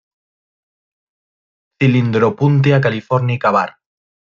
Cylindropuntia californica var.